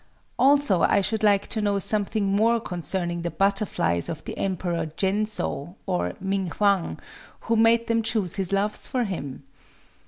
Also I should like to know something more concerning the butterflies of the Emperor Gensō, or Ming Hwang, who made them choose his loves for him...